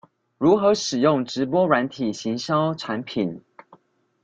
如何使用直播軟體行銷產品